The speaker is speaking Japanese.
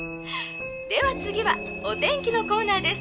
では次はお天気のコーナーです。